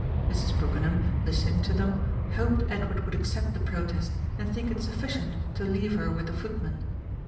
Mrs. Brookenham, listening to them, hoped Edward would accept the protest and think it sufficient to leave her with the footman.